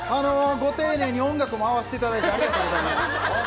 ご丁寧に音楽も合わせていただいてありがとうございます。